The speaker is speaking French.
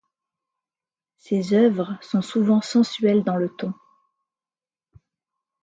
Ses oeuvres sont souvent sensuelles dans le ton.